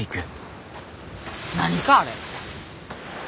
何かあれ。